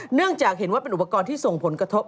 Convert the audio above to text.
เนื่องจากเห็นว่าเป็นอุปกรณ์ที่ส่งผลกระทบ